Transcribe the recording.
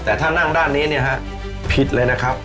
แต่ถ้านั่งด้านนี้เนี่ยฮะผิดเลยนะครับ